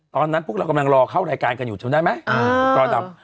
ตอนนั้นพวกเรากำลังรอเข้ารายการกันอยู่ถูกต้องไหมจอดำ